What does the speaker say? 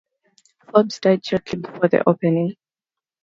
Forbes died shortly before the opening.